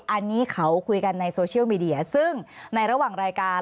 อันนี้เขาคุยกันในโซเชียลมีเดียซึ่งในระหว่างรายการ